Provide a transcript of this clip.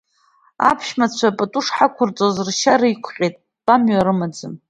Аԥшәамацәа пату шҳақәырҵоз ршьара иқәҟьеит, тәамҩа рымаӡам.